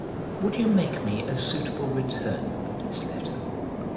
Would you make me a suitable return for this letter?